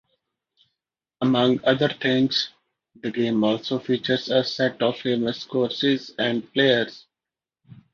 Among other things, the game also features a set of famous courses and players.